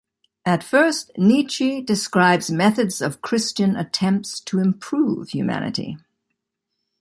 At first, Nietzsche describes methods of Christian attempts to "improve" humanity.